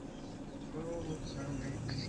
আমার ভাগ্যে কি আছে, আমি জানি না।